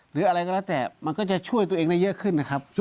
หรืออะไรก็แล้วแต่มันก็จะช่วยตัวเองได้เยอะขึ้นนะครับ